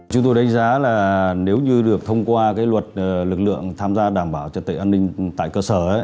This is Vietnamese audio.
chúng tôi đánh giá là nếu như được thông qua luật lực lượng tham gia đảm bảo trật tự an ninh tại cơ sở